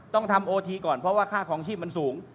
ต้องทำโอทีก่อนเพราะว่าค่าคลองชีพมันสูง